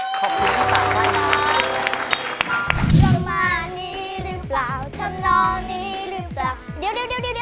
เดี๋ยว